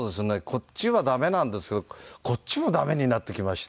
こっちはダメなんですけどこっちもダメになってきまして。